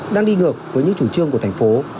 đang đi ngược với những chủ trương của thành phố